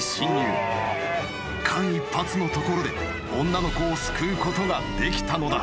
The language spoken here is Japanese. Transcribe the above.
［間一髪のところで女の子を救うことができたのだ］